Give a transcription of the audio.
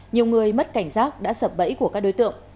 nhiều người mất cảnh giác đã sập bẫy của các đối tượng